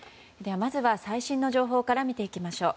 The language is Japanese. まずは最新の情報から見ていきましょう。